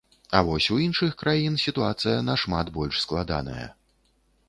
А вось у іншых краін сітуацыя нашмат больш складаная.